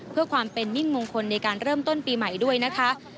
เพื่อความเป็นมิ่งมงคลในการเริ่มต้นปีใหม่ด้วยนะคะ